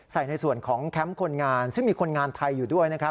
ในส่วนของแคมป์คนงานซึ่งมีคนงานไทยอยู่ด้วยนะครับ